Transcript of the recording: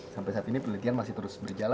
sampai saat ini penelitian masih terus berjalan